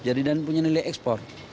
jadi dan punya nilai ekspor